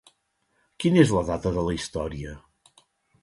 Quina és la data de la història?